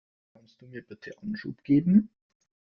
Kannst du mir bitte Anschub geben?